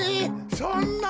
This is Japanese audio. そんな。